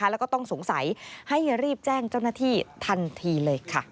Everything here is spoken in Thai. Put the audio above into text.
แล้วก็ต้องสงสัยให้รีบแจ้งเจ้าหน้าที่ทันทีเลยค่ะ